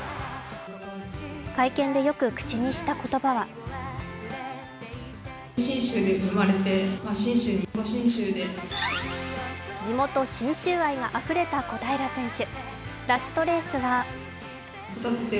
会見でよく口にした言葉は地元・信州愛があふれた小平選手。